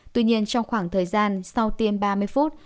tuy nhiên trong khoảng thời gian sau tiêm ba mươi phút